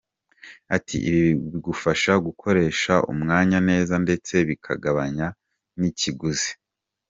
Ati” Ibi bigufasha gukoresha umwanya neza ndetse bikagabanya n’ikiguzi.